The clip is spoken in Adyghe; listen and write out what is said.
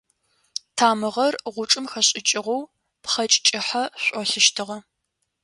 Тамыгъэр гъучӏым хэшӏыкӏыгъэу пхъэкӏ кӏыхьэ шӏолъыщтыгъэ.